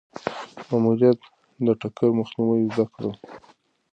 ماموریت د ټکر مخنیوی زده کړل.